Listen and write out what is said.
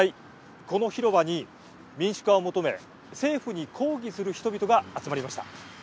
この広場に民主化を求め政府に抗議する人々が集まりました。